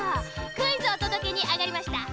クイズおとどけにあがりました。